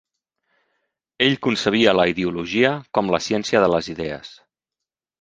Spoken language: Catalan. Ell concebia la ideologia com la ciència de les idees.